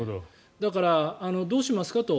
だから、どうしますかと。